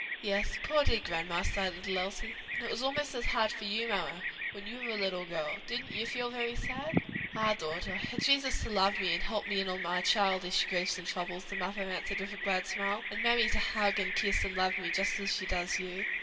"Yes, poor dear grandma!" sighed little Elsie. "And it was almost as hard for you, mamma, when you were a little girl: didn't you feel very sad?" "Ah, daughter, I had Jesus to love me, and help me in all my childish griefs and troubles," the mother answered, with a glad smile; "and mammy to hug and kiss and love me just as she does you."